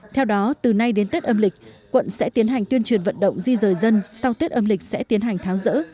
theo đó từ nay đến tết âm lịch quận sẽ tiến hành tuyên truyền vận động di rời dân sau tết âm lịch sẽ tiến hành tháo rỡ